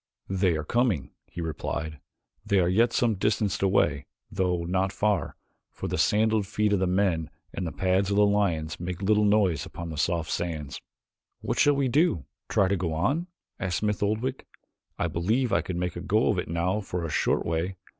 "They are coming," he replied. "They are yet some distance away, though not far, for the sandaled feet of the men and the pads of the lions make little noise upon the soft sands." "What shall we do try to go on?" asked Smith Oldwick. "I believe I could make a go of it now for a short way.